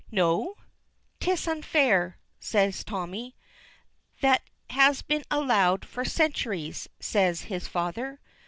"No?" "'Tis unfair," says Tommy. "That has been allowed for centuries," says his father.